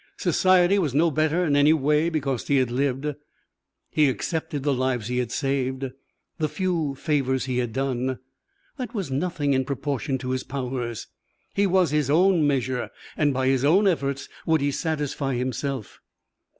Society was no better in any way because he had lived. He excepted the lives he had saved, the few favours he had done. That was nothing in proportion to his powers. He was his own measure, and by his own efforts would he satisfy himself.